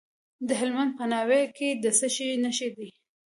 د هلمند په ناوې کې د څه شي نښې دي؟